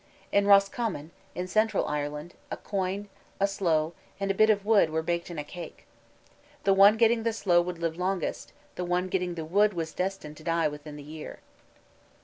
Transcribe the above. In Roscommon, in central Ireland, a coin, a sloe, and a bit of wood were baked in a cake. The one getting the sloe would live longest, the one getting the wood was destined to die within the year.